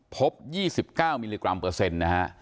พบ๒๙มิลลิกรัมเปอร์เซ็นต์นะฮะ